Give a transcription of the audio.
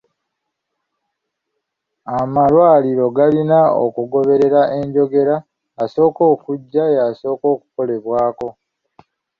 Amalwaliro galina okugoberera enjogera; asooka okujja y'asooka okukolebwako.